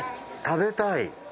食べたい？